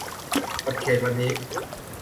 หมดเขตวันนี้